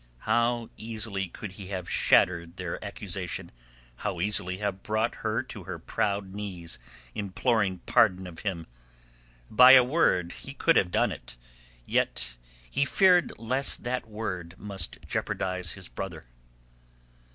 How easily could he have shattered their accusation, how easily have brought her to her proud knees imploring pardon of him! By a word he could have done it, yet he feared lest that word must jeopardize his brother.